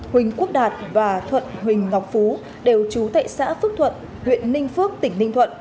huỳnh quốc đạt và thuận huỳnh ngọc phú đều trú tại xã phước thuận huyện ninh phước tỉnh ninh thuận